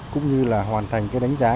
cũng như là hoàn thành đánh giá